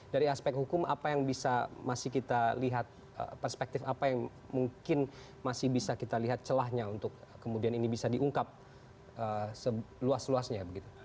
dari aspek hukum apa yang bisa masih kita lihat perspektif apa yang mungkin masih bisa kita lihat celahnya untuk kemudian ini bisa diungkap seluas luasnya begitu